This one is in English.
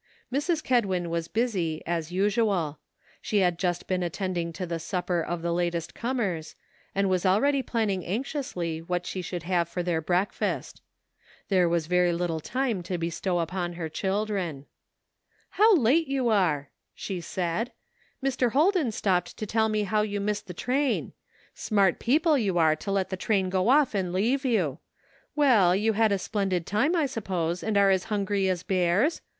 Mrs. Kedwin was busy, as usual. She had just been attending to the supper of the latest comers, and was already planning anxiously what she should have for their breakfast. There was very little time to bestow upon her children. " How late you are !" she said. " Mr. Hol den stopped to tell me how you missed the train. Smart people you are to let the train go off and leave you. Well, you had a splen did time, I suppose, and are as hungry as bears?